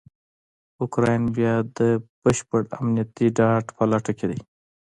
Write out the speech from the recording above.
اوکرایین بیا دبشپړامنیتي ډاډ په لټه کې دی.